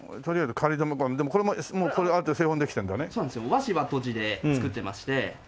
和紙和とじで作ってまして。